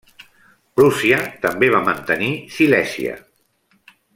Prússia també va mantenir Silèsia.